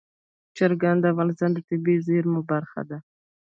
چرګان د افغانستان د طبیعي زیرمو برخه ده.